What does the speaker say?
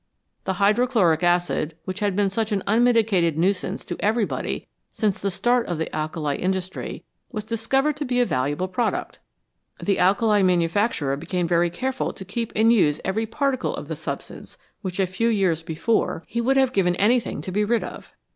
The hydro chloric acid, which had been such an unmitigated nuisance to everybody since the start of the alkali industry, was discovered to be a valuable product. The alkali manu facturer became very careful to keep and use eveiy particle of the substance which a few years before he 275 THE VALUE OF THE BY PRODUCT would have given anything to be rid of.